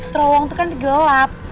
terowongan itu kan gelap